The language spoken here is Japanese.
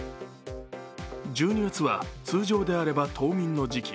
１２月は通常であれば冬眠の時期。